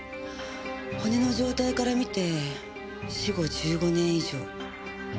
骨の状態から見て死後１５年以上。